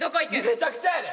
めちゃくちゃやで。